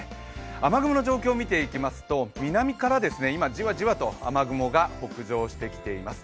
雨雲の状況を見ていきますと、南から今、じわじわと雨雲が北上してきています。